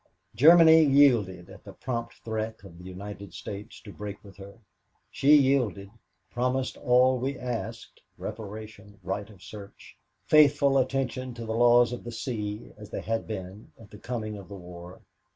Germany yielded at the prompt threat of the United States to break with her. She yielded, promised all we asked reparation, right of search, faithful attention to the laws of the sea as they had been at the coming of war.